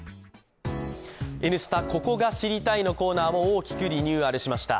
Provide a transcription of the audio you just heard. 「Ｎスタ」、「ここが知りたい！」のコーナーも大きくリニューアルしました。